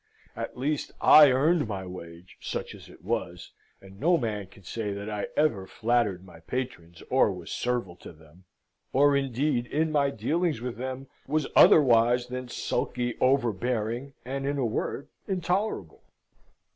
At least I earned my wage, such as it was; and no man can say that I ever flattered my patrons, or was servile to them; or indeed, in my dealings with them, was otherwise than sulky, overbearing, and, in a word, intolerable.